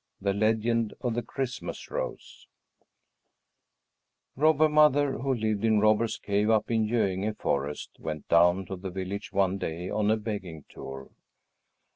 The Legend of the Christmas Rose Robber Mother, who lived in Robbers' Cave up in Göinge forest, went down to the village one day on a begging tour.